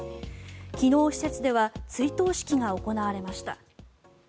昨日、施設では追悼式が行われました。